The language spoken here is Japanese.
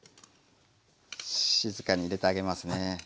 静かに入れてあげますね。